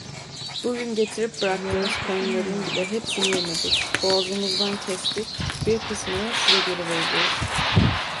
Bugün getirip bıraktığınız koyunların bile hepsini yemedik, boğazımızdan kestik, bir kısmını size geri vereceğiz.